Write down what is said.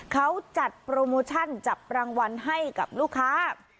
เขาจัดโปรโมชั่นจับรางวัลให้กับลูกค้า